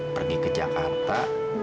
pergi ke jakarta